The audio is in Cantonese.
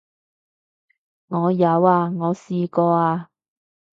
我有啊，我試過啊